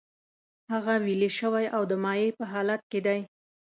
هغه ویلې شوی او د مایع په حالت کې دی.